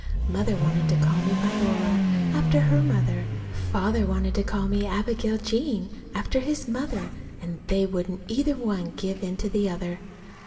Mother wanted to call me Viola, after her mother, and Father wanted to call me Abigail Jane after his mother; and they wouldn't either one give in to the other.